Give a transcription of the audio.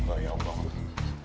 oh ya allah